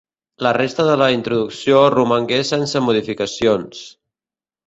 La resta de la introducció romangué sense modificacions.